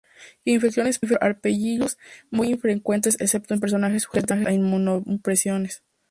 Infecciones por "Aspergillus" son muy infrecuentes excepto en personas sujetas a inmunosupresión.